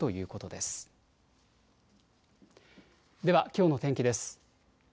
では、きょうの天気です。